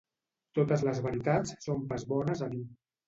Totes les veritats són pas bones a dir.